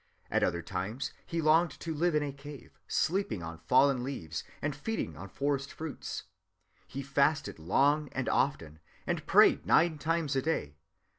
At other times he longed to live in a cave, sleeping on fallen leaves, and feeding on forest fruits. He fasted long and often, and prayed nine times a day....